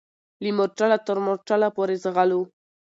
له مورچله تر مورچله پوري ځغلو